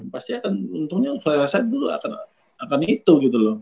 pasti akan untungnya selesai dulu akan itu gitu loh